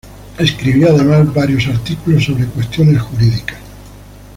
Escribió además varios artículos sobre cuestiones jurídicas.